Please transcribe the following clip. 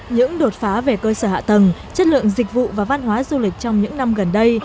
những đột phá về cơ sở hạ tầng chất lượng dịch vụ và văn hóa du lịch trong những năm gần đây